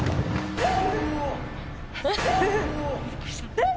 ・えっ！